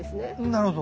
なるほど。